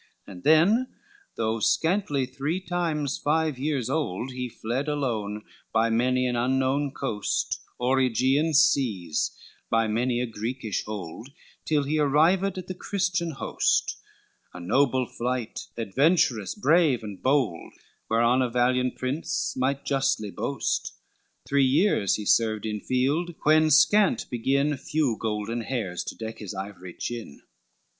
LX And then, though scantly three times five years old, He fled alone, by many an unknown coast, O'er Aegean Seas by many a Greekish hold, Till he arrived at the Christian host; A noble flight, adventurous, brave, and bold, Whereon a valiant prince might justly boast, Three years he served in field, when scant begin Few golden hairs to deck his ivory chin.